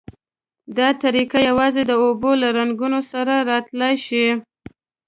دا طریقه یوازې د اوبو له رنګونو سره را تلای شي.